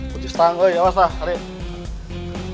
kunci setang kok ya mas lah